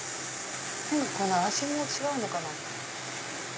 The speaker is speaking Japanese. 味も違うのかな？